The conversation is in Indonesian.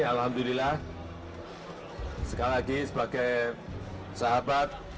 alhamdulillah sekali lagi sebagai sahabat